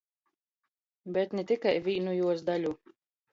Bet ni tikai vīnu juos daļu.